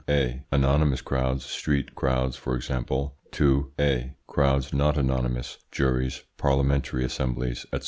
Anonymous crowds (street crowds, for example). A. Heterogeneous 2. Crowds not anonymous crowds. (juries, parliamentary assemblies, &c.).